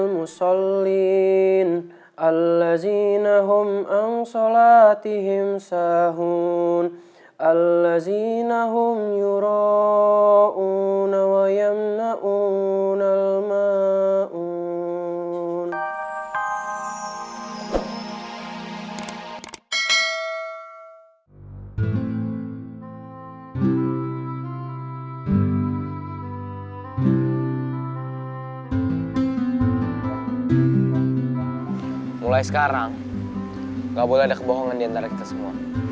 mulai sekarang gak boleh ada kebohongan diantara kita semua